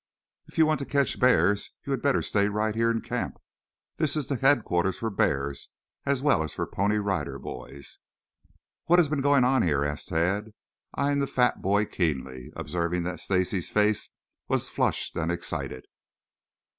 "If you want to catch bears you had better stay right here in the camp. This is the headquarters for bears as well as for Pony Rider Boys." "What has been going on here?" asked Tad, eyeing the fat boy keenly, observing that Stacy's face was flushed and excited.